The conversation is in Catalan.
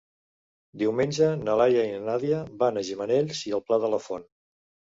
Diumenge na Laia i na Nàdia van a Gimenells i el Pla de la Font.